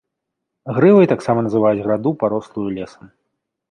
Грывай таксама называюць граду, парослую лесам.